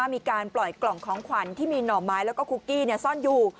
มีการปล่อยกล่องของขวัญที่มีหน่อไม้แล้วก็คุกกี้ซ่อนอยู่